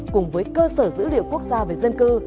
cùng với cơ sở dữ liệu quốc gia về dân cư